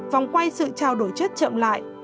vòng quay sự trao đổi chất chậm lại